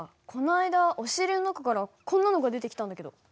この間押し入れの中からこんなのが出てきたんだけど。